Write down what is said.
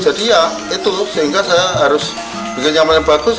jadi ya itu sehingga saya harus bikin yang paling bagus